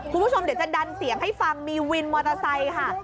คุณผู้ชมเดี๋ยวจะดันเสียงให้ฟังมีวินมอเตอร์ไซค์ค่ะ